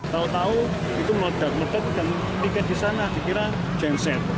tahu tahu itu meledak meledak dan tiket di sana dikira genset